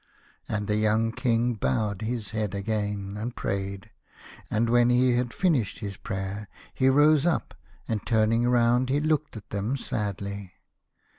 And the young King bowed his head again, and prayed, and when he had finished his prayer lie rose up, and turning round he looked at them sadly.